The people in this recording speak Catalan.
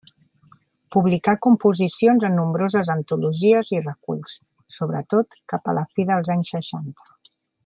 Publicà composicions en nombroses antologies i reculls, sobretot cap a la fi dels anys seixanta.